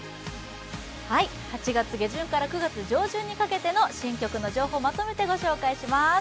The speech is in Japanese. ８月下旬から９月上旬にかけての新曲の情報をまとめてご紹介します。